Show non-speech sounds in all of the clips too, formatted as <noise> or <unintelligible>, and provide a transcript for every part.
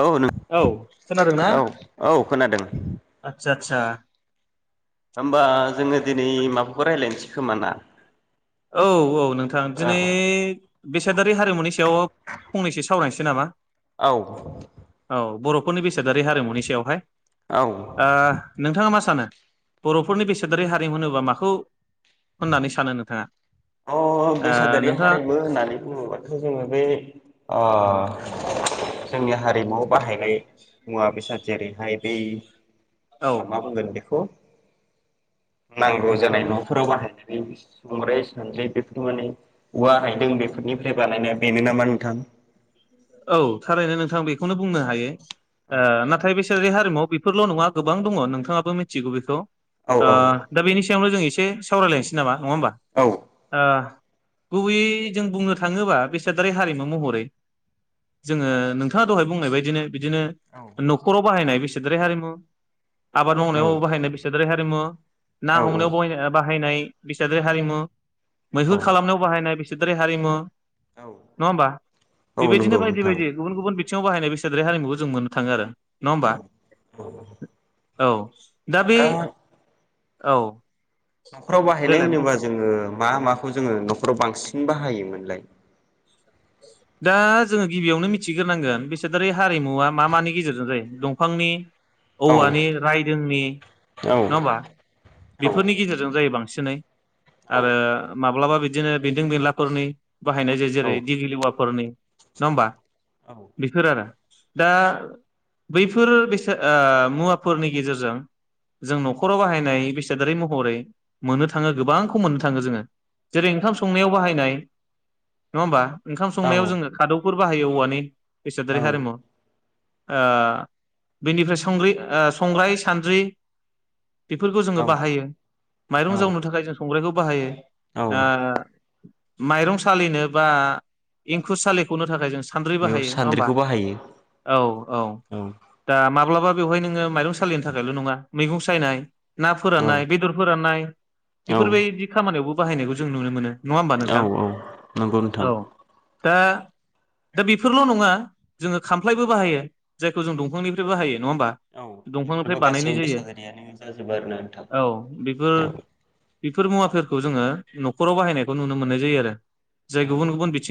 औ नों औ खोनादोंना औ औ खोनादों आतसा होमबा जोङो दिनै माबाखौ रायलायनोसै खोमा ना? औ औ नोंथां दिनै बेसादारि हारिमुनि सायाव फंनैसो सावरायनोसै नामा? औ औ बर'फोरनि बेस सादारि हारिमुनि सायावहाय औ ओ नोंथाङा मा सानो? बर'फोरनि बेसादारि हारिमु होनोबा माखौ होननानै सानो नोंथाङा? अ ओ बेसादारि नोंथाङा हारिमु होननानै बुङोबाथ' जोङो बे ओ <inaudible> जोंनि हारिमुआव बाहायनाय मुवा बेसाद जेरैहाय बै औ आ मा बुंगोन बेखौ नांगौ औ जानाय न'फोराव बाहायनाय <unintelligible> <unintelligible> बेफोर माने औवा रायदों बेफोरनिफ्राय बानायनाय बेनो नामा नोंथां? औ थारैनो नोंथां बेखौनो बुंनो हायो ओ नाथाय बे <unintelligible> हारिमु आव बेफोरल' नङा गोबां दङ नोंथाङाबो मिथिगौ बेखौ ओ औ दा बेनि सायावनो' जों एसे-' सावरायलायनोसै नामा? नङा होमबा औ गुबैयै जों बुंनो थाङोबा बेसादारि हारिमु महरै जोङो नोंथाङा दहाय बुंनाय बायदिनो बिदिनो औ न'खराव बाहायनाय बेसादारि हारिम आबाद मावनायाव औ बाहायनाय बेसादारि हारिमु ना औ हमनायावाय बाहायनाय बेसादारि हारिमु मैहुर औ खालामनायाव बाहायनाय बे <unintelligible> बेसादारि हारिमु औ औ नहबा औ बिबायदि नंगौ बिनो बायदि नोंथां बायदि गुबुन गुबुन बिथिंङाव बाहायनाय बेसादारि हारिमुखौ जों मोननो थाङो आरो नङा औ होमबा औ औ दा बे औ न'खराव बाहायनाय देलाय बुं होनोबा जोङो मा माखौ जोङो न'खराव बांसिन <unintelligible> बाहायोमोनलाय दा जोङो गिबियावनो मिथिग्रोनांगोन बिसादारि हारिमुवा मा मानि गेजेरजों जायो दंफांनि औ औवानि रायदोंनि औ नङा होमबा औ बेफोरनि गेजेरजों जायो बांसिन एसे ननाय <unintelligible> आरो माबा माब्लाबा बिदिनो बेन्दों बेनलाफोरनि बाहायनाय जायो औ जेरै फोरनि नङा होमबा औ बिसोर आरो दा बैफोर बेसाद ओ मुवाफोरनि गेजेरजों जों न'खराव बाहायनाय बेसादारि महरै मोननो थाङो गोबांखौ मोननो थाङो जोङो जेरै ओंखाम संनायाव बाहायनाय नङा होमबा ओंखाम संनायाव जोङो खादौ बाहायो औवानि बेसादारि हारिमु ओ बेनिफ्राय संग्रि ओ संग्राय सानद्रि बेफोरखौ जोङो औ बाहायो माइरं औ जावनो थाखाय जों संग्रायखौ बाहायो औ ओ माइरं सालिनो बा एंखुर सालिखौनो थाखाय जों सान्द्रै बेयाव बाहायो नङा होमबा सान्द्रिखौ बाहायो औ औ दा माब्लाबा बेवहाय नोङो माइरं सालिनो थाखायल' नङा मैगं सायनाय ना औ फोराननाय बेदर फोराननाय औ बेफोरबायदि खामानियावबो बाहायनायखौ जों नुनो मोनो नङा होमबा औ नोंथां औ नंगौ नोंथां । औ दा दा बेफोरल' नङा जोङो खामफ्लायबो बाहायो जायखौ जों दंफांनिफ्रायबो बाहायो नङा होमबा औ दंफांनिफ्राय बेफोरबो गासै बानायनाय जायो बेसादारियानो जाजोबो आरोना नोंथां औ बेफोर औ बेफोर मुवाफोरखौ जोङो न'खराव बाहायनायखौ नुनो मोननाय जायो आरो जाय औ गुबुन गुबुन बि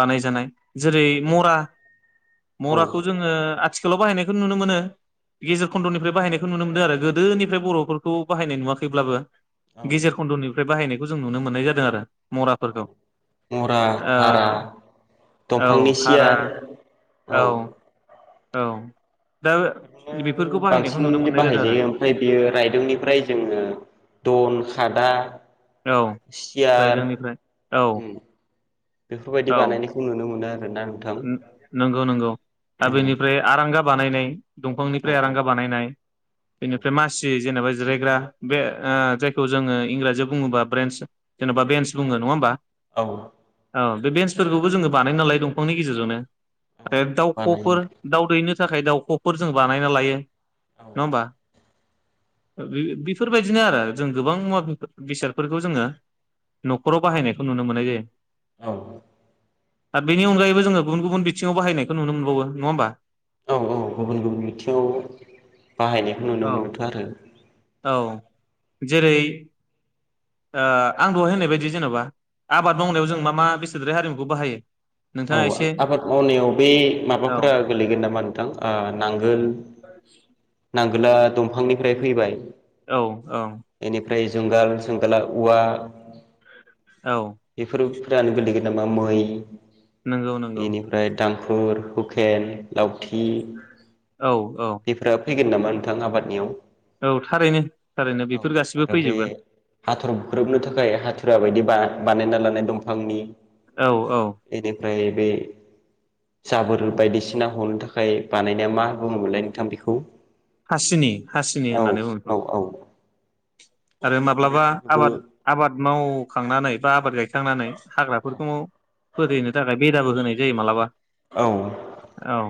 बानायजानाय जेरै औ मरा औ मराखौ जोङो आथिखाल लाव बाहायनायखौ नुनो मोनो गेजेर खन्द'निफ्राय बाहायनायखौ नुनो मोनदों आरो गोदोनिफ्राय बर'फोरखौ बाहायनाय नुवाखैब्लाबो औ गेजेर खन्द'निफ्राय बाहायनायखौ जों नुनो मोननाय जादों आरो मराफोरखौ । मरा भारा औ दंफांनि हारा सियार औ औ दा बिदिनो बेफोरखौ बाहायनायखौ बांसिन नुनो मोननाय जादों आरो बाहायजायो ओमफ्राय बेयो रायदोंनिफ्राय जोङो दन खादा औ सियार रायदोंनिफ्राय औ उम बेफोरबायदि बानायनायखौ नुनो मोनो आरो उम नंगौ नंगौ औ दा बेनिफ्राय आरांगा बानायनाय औ दंफांनिफ्राय रांगा औ बानायनाय बेनिफ्राय औ मासि जेनेबा ज जिरायग्रा बे आं जायखौ जोङो इंराजियाव बुङोबा ब्रेन्स जे'बा बेन्स बुङो‌ नङा होमबा औ औ बेन्सफोरखौबो जोङो बानाय नालाय दं नि गेजेरजोंनो औ आरो बानायो दाउखफोर दाउ दैनो थाखाय दाउखफोर जों बानायना लायो औ नङा होनबा बेफोरबायदिनो आरो जों गोबां मुवा बेसादफोरखौ जोङो नखराव बाहायनायखौ नुनो मोननाय जायो । औ बेनि अनगायैबो जोङो गुबुन गुबुन बिथिङाव बायनायखौ नुनो मोनबावो नङा होमबा? औ औ गुबुन गुबुन बिथिङाव बाहायनायखौ औ नुनो मोनोथ आरो । औ जेरै आ आं दहाय होननाय बायदि जेनबा आबाद मावनायाव जों मा मा बेसादारि हारिमुखौ बाहायो? औ नोंथाङा एसे आबाद मावनायाव बे औ माबाफोरा गोलैगोन नामा नोंथां ओ नांगोल ओ दंफांनिफ्राय फैबाय औ औ ओमफ्राय जुंगाल जुंगाला औवा औ बेफोरो रानो गोलैगोन नामा मै नंगौ नंगौ इनिफ्राय दां गफुर हुखेन लावथि औ औ बेफोरा फैगोन नामा नोंथां आबादनियाव थारैनो थारैनो औ बेफोर गासिबो आरो बे फैजोबगोन हाथर बुख्रोबनो थाखाय हाथुरा बायदि बा बानायना लानाय दंफांनि औ औ बेनिफ्राय बे जाबोर बायदिसिना हनो थाखाय बानायनाया मा बुङोमोनलाय नोंथां बेखौ हासिनि हासिनि औ होननानै बुंङो बेखौ औ औ आरो दा माब्लाबा बेफोरखौबो आबाद आबाद मावखांनानै बा आबाद गायखां थांनानै औ हाग्राफोरखौ फोदैहैनो थाखाय बे बदाबो होनाय जायो मालाबा औ औ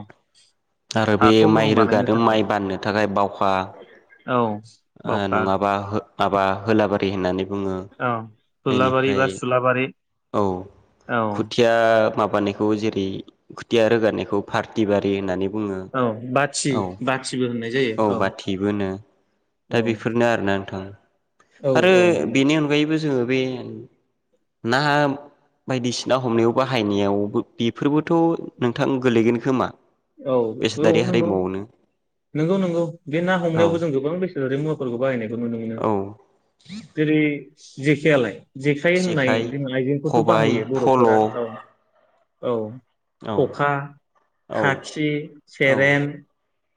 आरो बे हाखौ गुरुं माइ बानायनो रोगादों थाखाय माइ बान्नो थाखाय बावखा औ ओ बावखा नङाबा माबा होलाबारि होननानै बुङो औ थलाबारि बेनिफ्राय बा सुलाबारि औ औ खुथिया ओ माबानायखौ जेरै खुथिया रोगानायखौ पार्टि बारि होननानै बुङो औ बाथि औ बाथिबो होननाय जायो औ बाथिबो औ दा बेफोरनो आरोना नोंथां। औ आरो औ नंगौ बेनि अनगायैबो जोङो बै ना बायदिसिना हमनायाव बाहायनायाव बेफोरबोथ' नोंथां गोलैगोन खोमा? औ औ बेसादारि नंगौ हारिमुआवनो नंगौ नंगौ बे ना औ हमनायावबो जों गोबां बेसेनारि मुवाफोरखौ बाहायनायखौ नुनो मोनो। औ जेरै जेखयालाय जेखाइ होननाय जोंना आइजेंखौथ' खबाइ बाहायो फल' बर'फोरा औ औ औ खखा औ खाखि औ सेरेन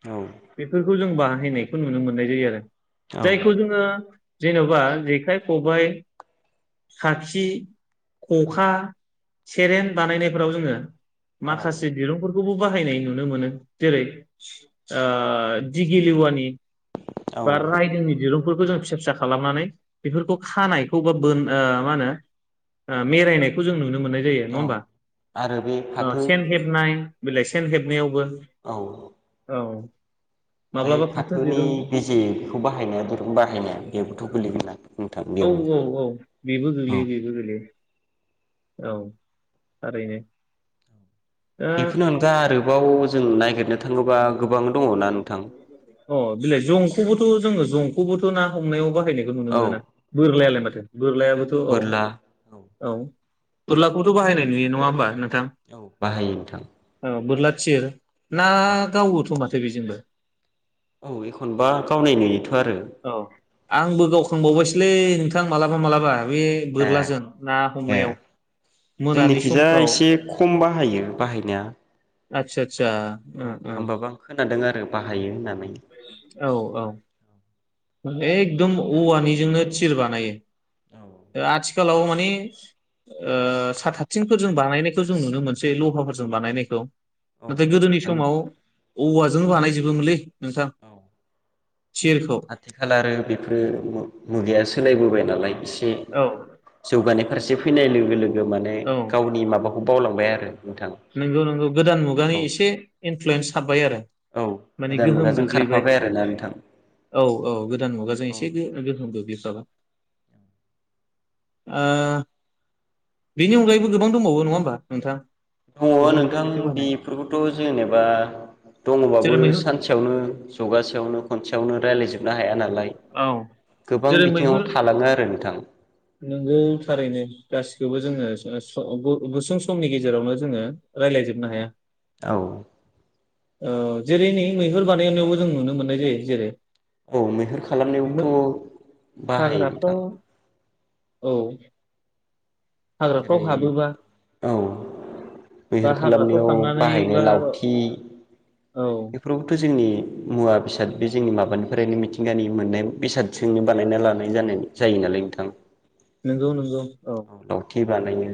औ बेफोरखौ जों बाहायनायखौ नुनो मोननाय जायो आरो। जायखौ जोङो जेन'बा जेखाइ खबाइ खाखि खखा सेरेन बानायनायफोराव जोङो औ माखासे दिरुं खौबो बाहायनाय नुनो मोनो जेरै ओ दिगिलिवानि औ बा रायदोंनि दिरुं जों फिसा फिसा खालामनानै बेफोरखौ खानायखौ बोननो मा होनो मेररायनायखौ जों नुनो मोननाय जायो नङा औ होनबा। आरो बे फाथो सेन हेबनाय बेलाइसेन हेबनायावबो औ ओमफ्राय औ माब्लाबा फाथो देरुं जे बेखौ बाहायनाया दिरुं बाहायनाया बेबोथ' गोलैगोनना नोंथां औ औ बेयावनो औ बेबो औ गोग्लैयो बेबो गोग्लैयो औ ओरैनो बेफोरनो अनगा आरोबाव जों नागिरनो थाङोबा गोबां दङना नोंथां अ बिलाय जंखौबो जं जंखौबोथ' ना हमनायाव बा हायनायखौ नुनो औ मोनोना औ बोरलायालाय माथो बोरलायाबोथ' औ औ बोरलाखौथ' बाहायनाय नुयो नङा होमबा नों औ बाहायो नोंथां बोरला थिर ना औ गावोथ माथो फै बिजोंबो औ एखनबा गावनाय नुयोथ बारो औ आंबो गावखां बावबायसैलै नोंथां मालाबा मालाबा। बे ए बोरलाजों ना ए हमनायाव मोनानि जोंनिखिजा समफ्राव एसे खम बाहायो बाहायनाया आदसा आदसा औ होमबाबो आं खोनादों आरो बाहायो होननानै औ। एखदम औवानिजोंनो थिर बानायो। औ ओ आथि खालाव माने ओ साथाथिंफोरजों बानायनायखौ जों नुनो मोनसै लहाफोरजों बानायनायखौ औ नाथाय गोदोनि आथिखाल समाव औवाजोंल' बानाय जोबोमोनलै। नोंथां औ थिरखौ आथिखाल आरो बेफ्रो मु-मुगाया सोलायबोबाय। नालाय औ जौगानाय फारसे फैनायनि लो गो माने गावनि माबाखौ बावलांबाय आर नोंगौ नोंगौ गोदान मुगानि एसे इनफ्लुयेन्स हाब्बाय आरो। औ माने गोदान गोहोम मुगाजों गोग्लैबाय खारफाबाय आरोना नोंथां औ औ गोदान मुगाजों औ एसे गो गोहोम गोग्लैफाबा ओ बिनि अनगायैबो गोबां दंबावो। नङा होमबा नोंथाङा? दङ नोंथां बेफोरखोथ' जेनेबा जेरै दङबाबो मैहुर सानसेयावनो जगासेयावनो खनसेयावनो रायलायजोब ना हाया नालाय औ गोबां जेरै बिथिङाव मैहुर थालाङो आरो नोंथां। नोंगौ थारैनो गासिखोबो जोङो <unintelligible> गुसुं समनि गेजेरावनो जोङो रायलायजोबनो हाया। औ ओ जेरै नै मैहुर बानायनायावबो जों नुनो मोननाय जायो। जेरै- औ मैहुर मै खालामनायावथ' बाहायो हाग्राफ्राव नोंथां। औ। हाग्राफ्राव जेरै हाबोबा औ बा मैहुर हाग्राफ्राव खालामनायाव थांनानै बाहायनाय बा लावथि औ बेफोरावबोथ' जोंनि मुवा बिसाद बे जोंनि माबानि ओरैनो मिथिंगा नि मोननाय बेसादजोंनो बानायना लानाय जानायनि जायो नालाय नोंथां नंगौ नंगौ औ खि बानायो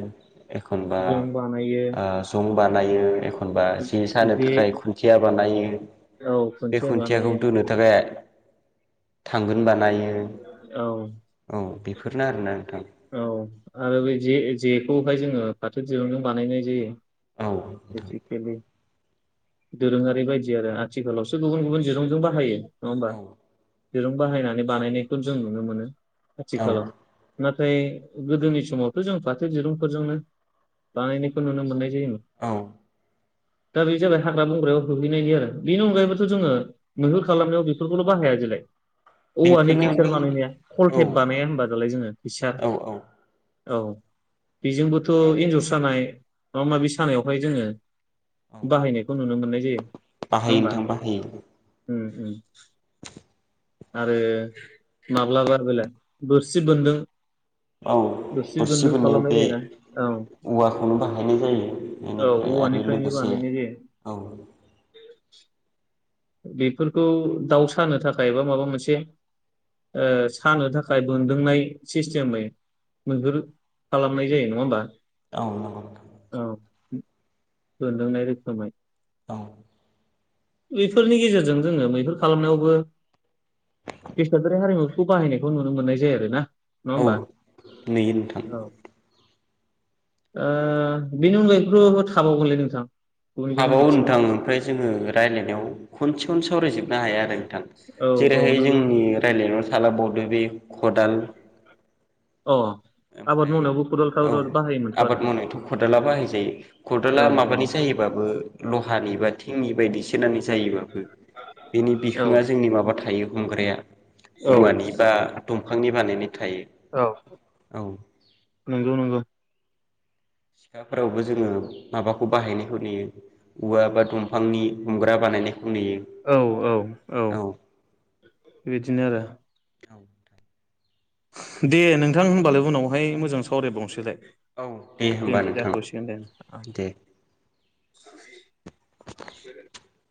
एखनबा जं बानायो ओ संबानाय ओ एख एखनबा जे सानो थाखाय खुनथिया बानायो औ बे खुन्थिया खुनथियाखौ बानायो दोनो थाखाय थांगोन बानायो औ औ बे बेफोरनो आरोना नोंथां औ आरो बे जे जेखौहाय जोङो फाथो जेयावनो बानायनाय औ नोंथां जायो <unintelligible> दोरोङारि बायदि आरो आथिखालावसो गुबुन गुबुन दिरुंजों बाहायो नङा ओमबा औ दिरुं बाहायनानै बानायनायखौ जों नुनो मोनो। औ आथिखालाव <unintelligible> नाथाय गोदोनि समावथ' जों फाथो दिरुंफोरजोंनो बानायनायखौ नुनो मोननाय दिम औ दा बे जाबाय हाग्रा बंग्रायाव होहैनायनि आरो बेनि अनगायैबोथ' जोङो मैहुर खालामनायाव बेफोरखौल' बाहाया देलाय औवानि बेफोरनि फिचार अनगायै बानायनाया औ कलटेप बानाया होनबा दालाय जोङो सार औ औ औ बेजोंबोथ' एनजर सानाय माबा माबि सानायावहाय जोङो औ बाहायनायखौ नुनो मोननाय जायो नङा बाहायो होमबा नोंथां बाहायो उम उम आरो माब्लाबा बेलाय बोरसि बोनदों औ बोरसि बोननायाव बे जायोना औ औवाखौनो बाहायनाय जायो औ एनिफ्राय आरो औवानिफ्रायनो लोगोसे बानायनाय जायो औ बेफोरखौ दाउ सानो थाखाय एबा माबा मोनसे ओ सानो थाखाय बोन्दोंनाय सिस्टेमै मैहुर खालामनाय जायो नङा होमबा औ नंगौ औ बोनदोंनाय रोखोमै औ बि बेफोरनि गेजेरजों जोङो मैहुर खालामनायावबो बेसादारि हारिमुफोरखौ बाहायनायखौ नुनो मोननाय जायो आरो ना औ नुयो नोंथां ओ बेनि अनगायैबो थाबावगोनलै नोंथां गुबुन गुबुन थाबावो बिथिङाव नोंथां ओमफ्राय जोङो रायलायनायाव खनसेखौनो सावरायजोबनो हाया आरो नोंथां औ औ जेरैहाय नंगौ जोंनि रायलायनायाव थालांबाव ओ बि खदाल अ आबाद ओमफ्राय मावनायावबो खदाल औ खदाल बाहायोमोनथ' आबाद आरो मावनायथ' खदाला बाहायजायो खदाला औ माबानि जायोबाबो लहानिबा थिंनिबायदिसो नानै जायोबाबो बेनि औ बिखङा जोंनि माबा थायो हमग्राया औ औवानि बा दंफांनि बानायनाय थायो औ औ नंगौ नंगौ सिखाफोरावबो जोङो माबाखौ बाहायनायखौ नुयो औवा बा दंफांनि हमग्रा बानायनाय औ औ औ बिदिनो आरो औ दे नोंथां होमबालाय उनावहाय मोजां सावरायबावनोसैलाय औ दे होमबा दिनै नोंथां जाथ'सिगोन दे दे। <unintelligible>